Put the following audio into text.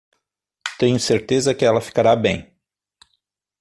Tenho certeza que ela ficará bem.